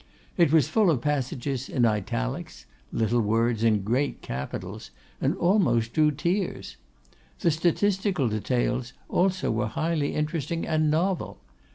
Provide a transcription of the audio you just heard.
It was full of passages in italics, little words in great capitals, and almost drew tears. The statistical details also were highly interesting and novel.